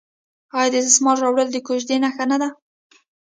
آیا د دسمال راوړل د کوژدې نښه نه ده؟